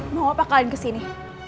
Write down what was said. mau apa kalian ke sini